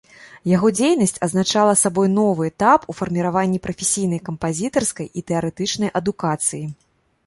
Яго дзейнасць азначала сабой новы этап у фарміраванні прафесійнай кампазітарскай і тэарэтычнай адукацыі.